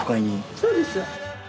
そうです。